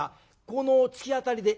この突き当たりで？